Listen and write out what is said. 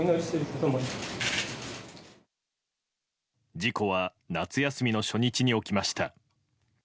事故は夏休みの初日に起きました。